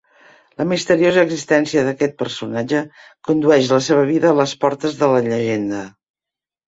La misteriosa existència d'aquest personatge condueix la seva vida a les portes de la llegenda.